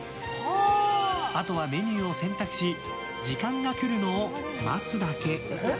あとはメニューを選択し時間が来るのを待つだけ。